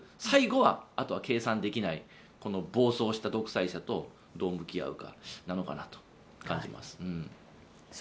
最後は、あとは計算できない暴走した独裁者とどう向き合うかなのかなと感じます。